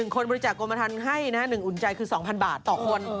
คนบริจาคกรมธรรมให้๑อุ่นใจคือ๒๐๐บาทต่อคน